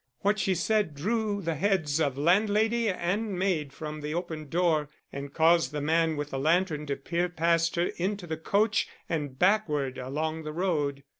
What she said drew the heads of landlady and maid from the open door and caused the man with the lantern to peer past her into the coach and backward along the road.